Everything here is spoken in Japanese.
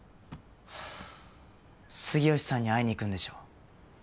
杉好さんに会いに行くんでしょ。